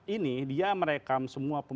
ini dia merekam semua